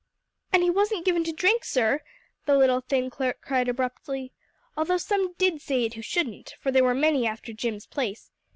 "And he wasn't given to drink, sir," the little, thin clerk cried abruptly, "although some did say it who shouldn't; for there were many after Jim's place.